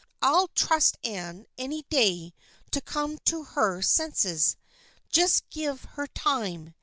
I'll trust Anne any day to come to her senses. Just give her time.